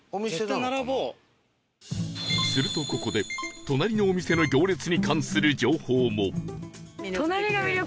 するとここで隣のお店の行列に関する情報も